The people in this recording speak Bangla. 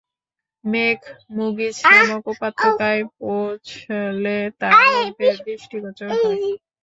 মেঘ মুগীছ নামক উপত্যকায় পৌছলে তা লোকদের দৃষ্টিগোচর হয়।